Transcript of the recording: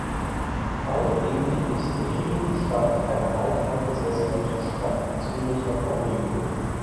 Paul Emil Usteri entstammte einer alteingesessenen Stadtzürcher Familie.